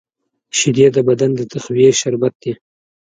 شیدې د بدن د تقویې شربت دی